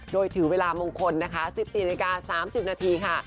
โดยถือเวลามงคลนะคะ๑๔นาฬิกา๓๐นาทีค่ะ